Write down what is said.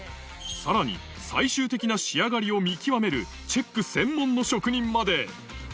さらに、最終的な仕上がりを見極める、チェック専門の職人まで。